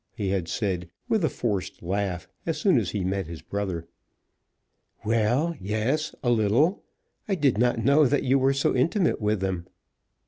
he had said, with a forced laugh, as soon as he met his brother. "Well; yes, a little. I did not know that you were so intimate with them."